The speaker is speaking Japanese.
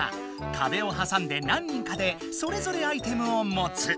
かべをはさんで何人かでそれぞれアイテムを持つ。